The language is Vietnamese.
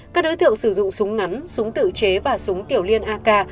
các đối tượng sử dụng súng ngắn súng tự chế và súng tiểu liên ak